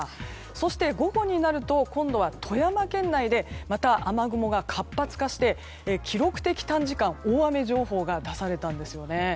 そして午後になると今度は富山県内でまた雨雲が活発化して記録的短時間大雨情報が出されたんですよね。